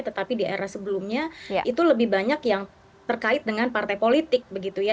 tetapi di era sebelumnya itu lebih banyak yang terkait dengan partai politik begitu ya